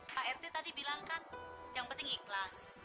pak rt tadi bilangkan yang penting ikhlas